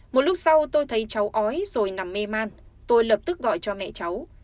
một lúc sau tôi thấy cháu ói rồi nằm mê man tôi lập tức gọi cho mẹ cháu